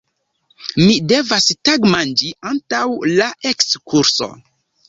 Mi devas tagmanĝi antaŭ la ekskurso!